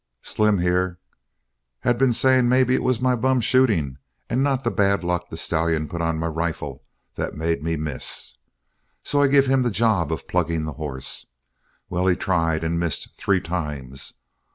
"Slim, here, had been saying maybe it was my bum shooting and not the bad luck the stallion put on my rifle that made me miss. So I give him the job of plugging the hoss. Well, he tried and missed three times.